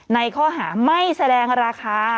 ในข้อหาไม่แสดงราคา